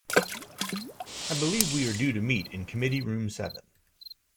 I believe we are due to meet in committee room seven.